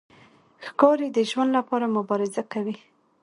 ښکاري د ژوند لپاره مبارزه کوي.